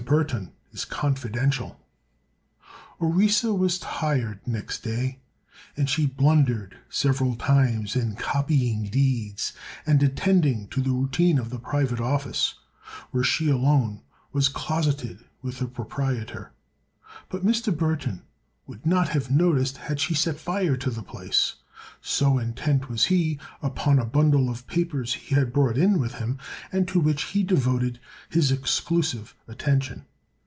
BURTHON IS CONFIDENTIAL Orissa was tired next day and she blundered several times in copying deeds and attending to the routine of the private office, where she alone was closeted with the proprietor. But Mr. Burthon would not have noticed had she set fire to the place, so intent was he upon a bundle of papers he had brought in with him and to which he devoted his exclusive attention.